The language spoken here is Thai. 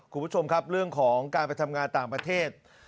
คุณผู้ชมครับเรื่องของการไปทำงานต่างประเทศ